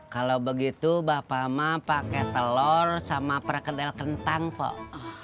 kalau begitu bapakma pakai telur sama perkedel kentang pok